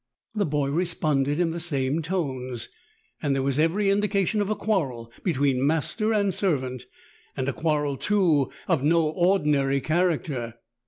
The boy responded in the same tones and there was every indication of a quarrel between master and servant, and a quarrel, too, of no ordinary char acter.